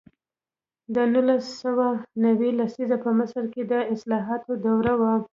د نولس سوه نوي لسیزه په مصر کې د اصلاحاتو دوره وه.